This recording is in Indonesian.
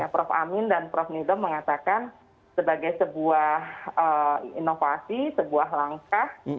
prof amin dan prof nidom mengatakan sebagai sebuah inovasi sebuah langkah